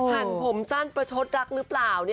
หันผมสั้นประชดรักหรือเปล่า